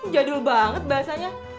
jadul banget bahasanya